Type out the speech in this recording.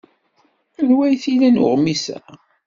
Anwa ay t-ilan uɣmis-a?